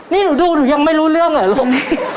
นี่หนูดูหนูยังไม่รู้เรื่องเหรอลูก